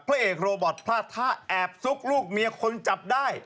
พระเอกโรบอตพลาดท่าแอบซุกลูกเมียคนจับได้